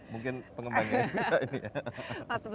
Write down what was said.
mungkin pengembangnya bisa ini ya